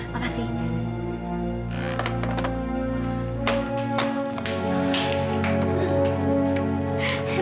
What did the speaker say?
mbak treerasi sekali